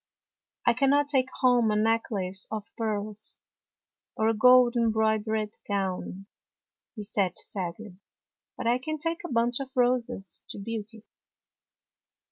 " I cannot take home a necklace of pearls, or a gold embroidered gown," he said sadly, " but I can take a bunch of roses to Beauty."